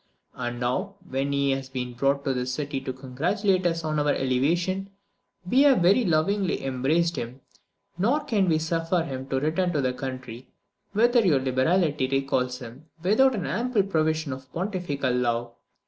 And now, when he has been brought to this city to congratulate us on our elevation, we have very lovingly embraced him; nor can we suffer him to return to the country whither your liberality recalls him, without an ample provision of Pontifical love.